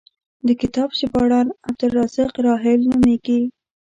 د کتاب ژباړن عبدالرزاق راحل نومېږي.